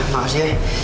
ya apaan makasih ya